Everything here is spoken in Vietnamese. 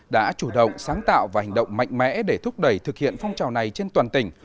đã chủ động sáng tạo và hành động mạnh mẽ để thúc đẩy thực hiện phong trào này trên toàn tỉnh